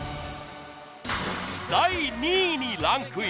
第２位にランクイン。